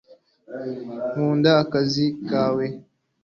nkunda akazi kawe